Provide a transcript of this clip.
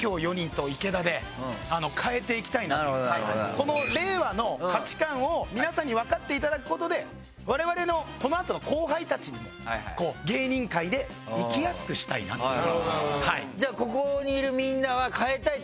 この令和の価値観を皆さんにわかって頂く事で我々のこのあとの後輩たちにもこう芸人界で生きやすくしたいなっていう。